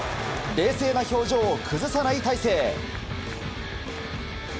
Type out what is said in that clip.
冷静な表情を崩さない大勢。